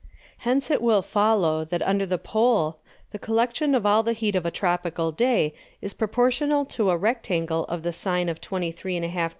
Hence it will follow, that under the Pole the Collection of all the Heat of a tropical Day, is proportionate to a Rectangle of the Sine of 23½ _gr.